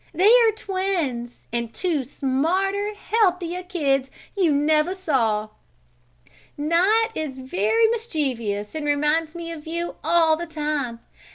They are twins, and two smarter, healthier kids you never saw. "Night is very mischievous and reminds me of you all the time.